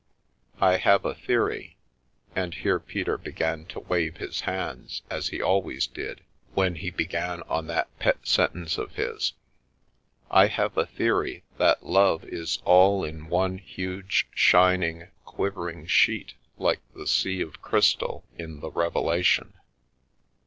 I have a theory —" (and here Peter began to wave his hands, as he always did, when he began on that pet sen tence of his) —" I have a theory that love is all in one huge, shining, quivering sheet, like the sea of crystal in the Revelation.